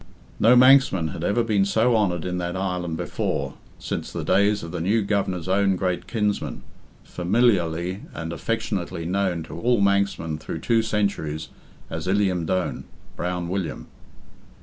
No Manxman had ever been so honoured in that island before since the days of the new Governor's own great kinsman, familiarly and affectionately known to all Manxmen through two centuries as Illiam Dhone (Brown William).